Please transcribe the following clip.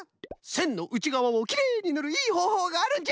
せんのうちがわをきれいにぬるいいほうほうがあるんじゃ。